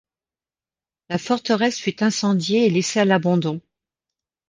La forteresse fut incendiée et laissée à l'abandon.